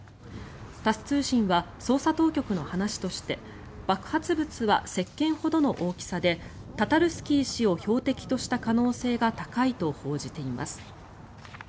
タス通信は捜査当局の話として爆発物はせっけんほどの大きさでタタルスキー氏を標的とした可能性が高いと報じています。